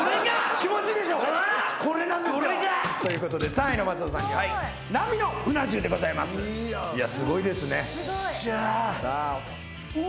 気持ちいいでしょこれなんですよ。ということで３位の松尾さんには並のうな重でございますいやすごいですね。